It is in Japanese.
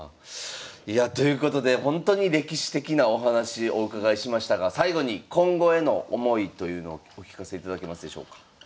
いやということでほんとに歴史的なお話お伺いしましたが最後に今後への思いというのをお聞かせいただけますでしょうか？